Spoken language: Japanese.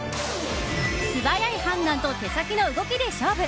素早い判断と手先の動きで勝負！